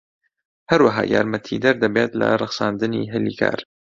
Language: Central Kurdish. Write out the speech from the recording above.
هەروەها یارمەتیدەر دەبێت لە ڕەخساندنی هەلی کار.